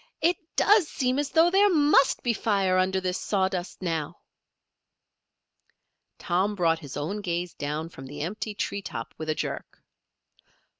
"It does seem as though there must be fire under this sawdust now." Tom brought his own gaze down from the empty tree top with a jerk.